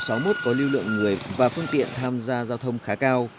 quốc lộ sáu mươi một có lưu lượng người và phương tiện tham gia giao thông khá cao